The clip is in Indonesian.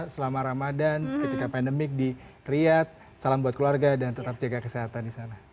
selama ramadan ketika pandemik di riyad salam buat keluarga dan tetap jaga kesehatan di sana